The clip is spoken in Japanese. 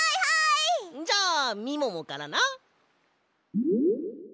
じゃあみももからな。